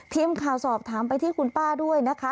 ทีมข่าวสอบถามไปที่คุณป้าด้วยนะคะ